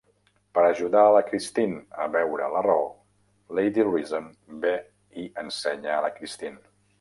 Per ajudar a la Christine a veure la raó, Lady Reason ve i ensenya a la Christine.